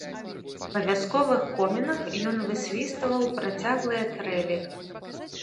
Па вясковых комінах ён высвістваў працяглыя трэлі.